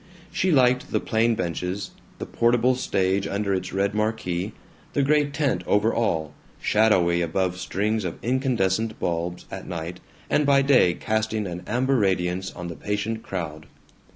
She liked the plain benches, the portable stage under its red marquee, the great tent over all, shadowy above strings of incandescent bulbs at night and by day casting an amber radiance on the patient crowd.